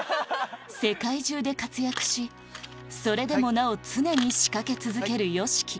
世界中で活躍しそれでもなお常に仕掛け続けるＹＯＳＨＩＫＩ